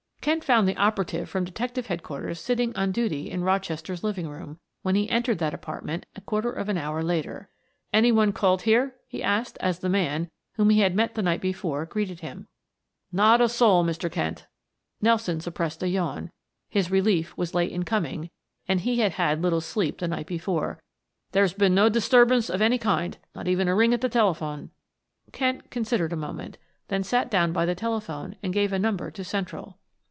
Kent found the operative from Detective Headquarters sitting on duty in Rochester's living room when he entered that apartment a quarter of an hour later. "Any one called here?" he asked, as the man, whom he had met the night before, greeted him. "Not a soul, Mr. Kent." Nelson suppressed a yawn; his relief was late in coming, and he had had little sleep the night before. "There's been no disturbance of any kind, not even a ring at the telephone." Kent considered a moment, then sat down by the telephone and gave a number to Central.